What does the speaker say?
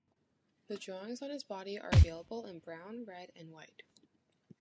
The drawings on his body are available in brown, red and white.